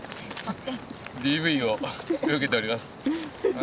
ＤＶを受けております。